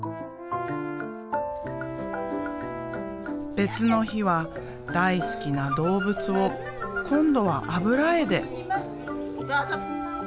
別の日は大好きな動物を今度は油絵で。